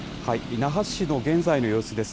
那覇市の現在の様子です。